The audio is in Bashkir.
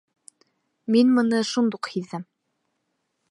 Мин мыны шундуҡ һиҙҙем.